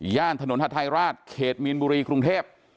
ย่านถนนฮัทไทรราชเขตมีนบุรีกรุงเทพฯ